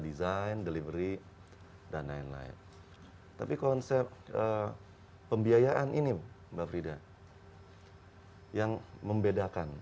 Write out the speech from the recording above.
desain delivery dan lain lain tapi konsep pembiayaan ini mbak frida yang membedakan